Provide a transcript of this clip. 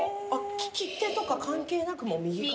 利き手とか関係なく右肩。